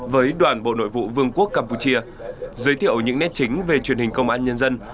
với đoàn bộ nội vụ vương quốc campuchia giới thiệu những nét chính về truyền hình công an nhân dân